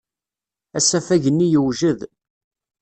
Asafag-nni yewjed.